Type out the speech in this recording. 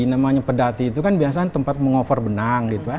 namanya pedati itu kan biasanya tempat meng offer benang